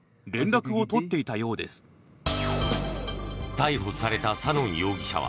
逮捕されたサノン容疑者は